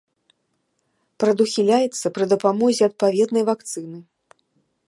Прадухіляецца пры дапамозе адпаведнай вакцыны.